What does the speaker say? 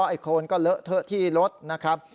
ไอโครนก็เลอะเทอะที่รถนะครับ